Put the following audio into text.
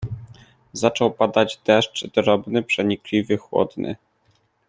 "Zaczął padać deszcz drobny, przenikliwy, chłodny."